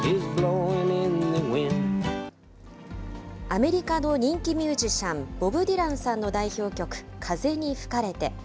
アメリカの人気ミュージシャン、ボブ・ディランさんの代表曲、風に吹かれて。